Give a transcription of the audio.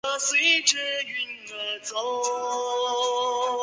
云南谷精草为谷精草科谷精草属下的一个种。